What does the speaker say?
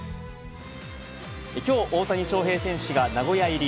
きょう、大谷翔平選手が名古屋入り。